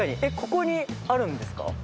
ここにあるんですか？